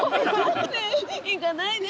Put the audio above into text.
ねえ行かないで。